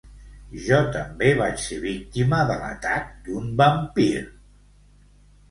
Jo també vaig ser víctima de l'atac d'un vampir.